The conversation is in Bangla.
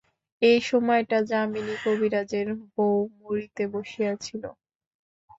এই সময়টা যামিনী কবিরাজের বৌ মরিতে বসিয়াছিল।